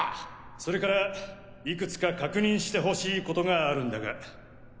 それからいくつか確認してほしいことがあるんだが。